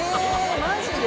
マジで？